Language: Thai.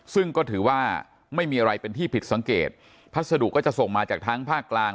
ซึ่งก็ถือว่าไม่มีอะไรเป็นที่ผิดสังเกตพัสดุก็จะส่งมาจากทั้งภาคกลาง